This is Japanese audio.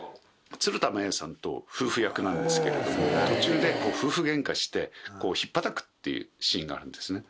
鶴田真由さんと夫婦役なんですけれども、途中で夫婦げんかして、ひっぱたくっていうシーンがあるんですね。